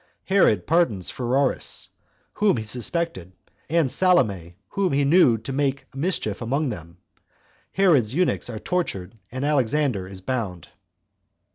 Herod Pardons Pheroras, Whom He Suspected, And Salome Whom He Knew To Make Mischief Among Them. Herod's Eunuchs Are Tortured And Alexander Is Bound.